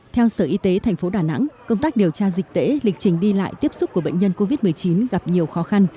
theo sở y tế tp đà nẵng công tác điều tra dịch tễ lịch trình đi lại tiếp xúc của bệnh nhân covid một mươi chín gặp nhiều khó khăn